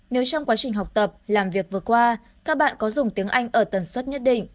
nếu trong quá trình học tập làm việc vừa qua các bạn có dùng tiếng anh ở tần suất nhất định